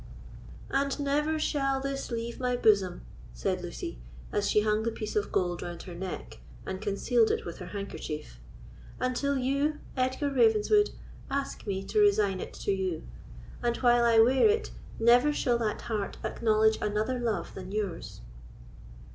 "And never shall this leave my bosom," said Lucy, as she hung the piece of gold round her neck, and concealed it with her handkerchief, "until you, Edgar Ravenswood, ask me to resign it to you; and, while I wear it, never shall that heart acknowledge another love than yours."